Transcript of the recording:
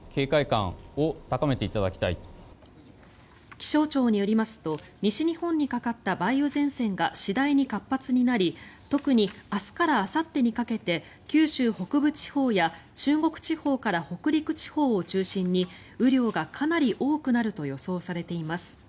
気象庁によりますと西日本にかかった梅雨前線が次第に活発になり特に明日からあさってにかけて九州北部地方や中国地方から北陸地方を中心に雨量がかなり多くなると予想されています。